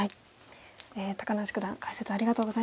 高梨九段解説ありがとうございました。